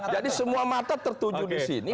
jadi semua mata tertuju di sini